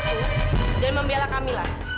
kalian membentak aku